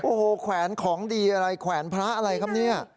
โอ้โหแขวนของดีอะไรแขวนพระอะไรครับเนี่ย